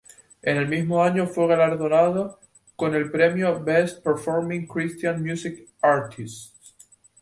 En el mismo año fue galardonado con el premio B"est Performing Christian Music Artists".